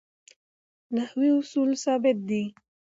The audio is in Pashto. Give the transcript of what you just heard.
نحوي اصول ثابت دي.